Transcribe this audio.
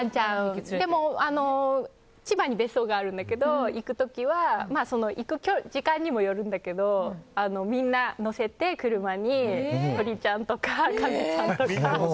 千葉に別荘があるんだけど行く時は行く時間にもよるんだけどみんな車に乗せて鳥ちゃんとかカメちゃんとか。